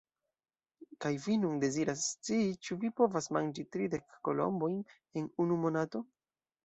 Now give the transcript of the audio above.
Kaj vi nun deziras scii ĉu vi povas manĝi tridek kolombojn en unu monato?